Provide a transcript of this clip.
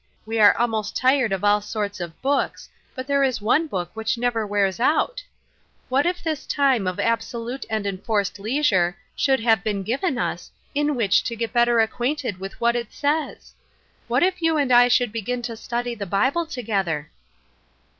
We are almost tired of all sorts of books ; but there is one Book which never wears out. What if this time of absolute and eD Looking for an Easy Yoke. 201 forced leisure should have been given us in which to get better acquainted with what it says ? What if you and I should begin to study the Bible together